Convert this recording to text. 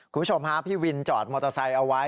คุณผู้ชมฮะพี่วินจอดมอเตอร์ไซค์เอาไว้